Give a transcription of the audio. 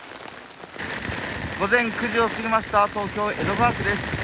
午前９時を過ぎました、東京・江戸川区です。